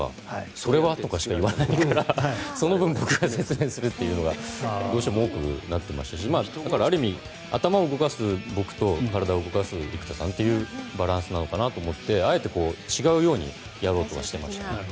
それはとか言わないからその分、僕が説明するというのがどうしても多くなってましたしだから、ある意味頭を動かす僕と体を動かす生田さんなのかなと思ってあえて、違うようにやろうとはしてました。